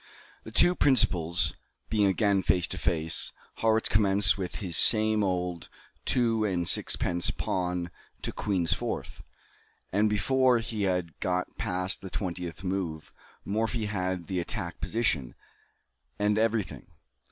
The two principals being again face to face, Harrwitz commenced with his "same old two and sixpence" pawn to queen's fourth, and before he had got past the twentieth move, Morphy had the attack, position, and every thing.